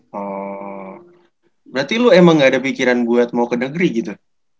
hmm berarti lu emang gak ada pikiran buat mau ke negeri gitu